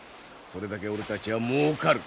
それだけ俺たちはもうかる。